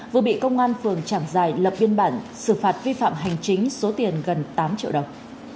vừa bị công an phường trảng giải lập biên bản xử phạt vi phạm hành chính số tiền gần tám triệu đồng